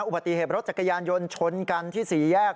อุบัติเหตุรถจักรยานยนต์ชนกันที่สี่แยก